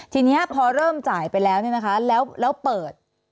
ทีนี้พอเริ่มจ่ายไปแล้วแล้วเปิด